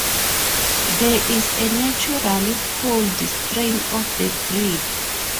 There is a naturally polled strain of the breed.